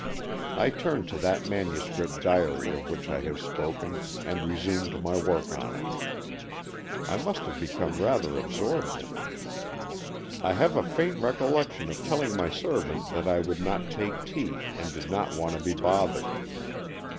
I turned to that manuscript diary of which I have spoken, and resumed my work on it. I must have become rather absorbed in it. I have a faint recollection of telling my servant that I would not take tea and did not want to be bothered.